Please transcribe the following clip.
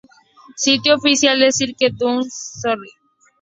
Sitio oficial de Cirque du Soleil